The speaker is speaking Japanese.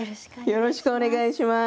よろしくお願いします。